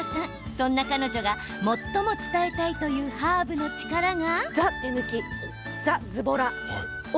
そんな彼女が最も伝えたいというハーブの力が。